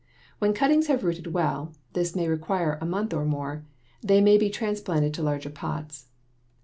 When cuttings have rooted well this may require a month or more they may be transplanted to larger pots.